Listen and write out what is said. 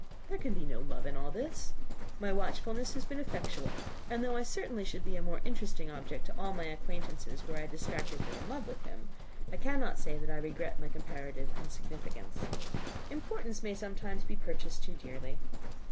There can be no love in all this. My watchfulness has been effectual; and though I should certainly be a more interesting object to all my acquaintance, were I distractedly in love with him, I cannot say that I regret my comparative insignificance. Importance may sometimes be purchased too dearly.